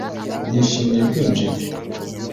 Nishimiye kwinjira